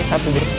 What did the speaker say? ini satu berdua